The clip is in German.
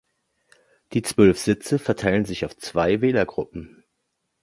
Die zwölf Sitze verteilen sich auf zwei Wählergruppen.